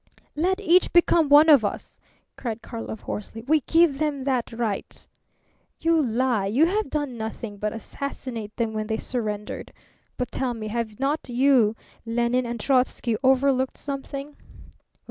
"Let each become one of us," cried Karlov, hoarsely. "We give them that right." "You lie! You have done nothing but assassinate them when they surrendered. But tell me, have not you, Lenine, and Trotzky overlooked something?"